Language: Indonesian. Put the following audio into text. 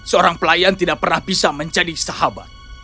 seorang pelayan tidak pernah bisa menjadi sahabat